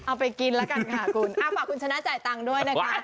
เอาไปกินแล้วกันค่ะคุณฝากคุณชนะจ่ายตังค์ด้วยนะคะ